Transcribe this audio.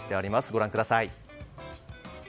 ご覧ください。